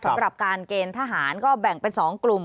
สำหรับการเกณฑ์ทหารก็แบ่งเป็น๒กลุ่ม